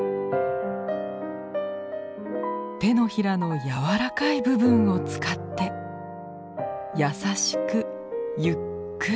手のひらの柔らかい部分を使って優しくゆっくり。